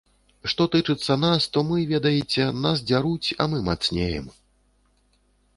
Што тычыцца нас, то мы, ведаеце, нас дзяруць, а мы мацнеем.